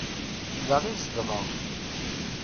Da i zedɣeɣ.